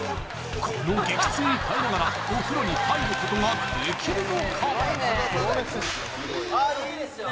この激痛に耐えながらお風呂に入ることができるのかあっいいですね